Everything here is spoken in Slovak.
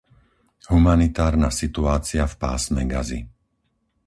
Humanitárna situácia v pásme Gazy